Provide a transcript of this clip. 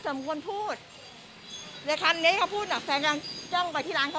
แจ้งเรียบร้อยแล้วค่ะ